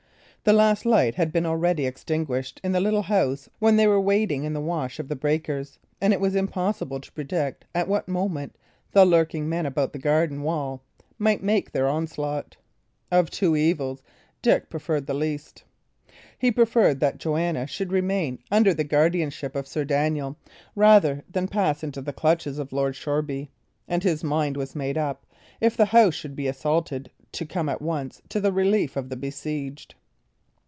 The last light had been already extinguished in the little house when they were wading in the wash of the breakers, and it was impossible to predict at what moment the lurking men about the garden wall might make their onslaught. Of two evils, Dick preferred the least. He preferred that Joanna should remain under the guardianship of Sir Daniel rather than pass into the clutches of Lord Shoreby; and his mind was made up, if the house should be assaulted, to come at once to the relief of the besieged.